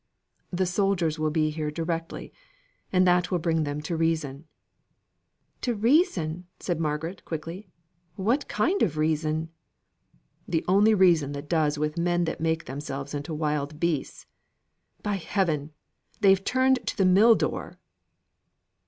"The soldiers will be here directly, and that will bring them to reason." "To reason!" said Margaret, quickly. "What kind of reason?" "The only reason that does with men that make themselves into wild beasts. By heaven! they've turned to the mill door!"